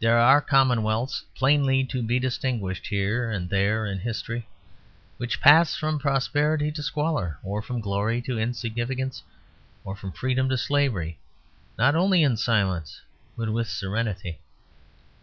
There are commonwealths, plainly to be distinguished here and there in history, which pass from prosperity to squalor, or from glory to insignificance, or from freedom to slavery, not only in silence, but with serenity.